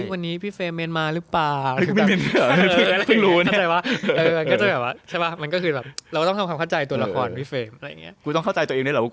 วันนี้พี่เฟรมเมนมาหรือเปล่า